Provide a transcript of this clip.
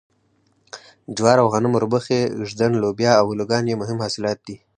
جوار غنم اوربشې ږدن لوبیا او الوګان یې مهم حاصلات دي.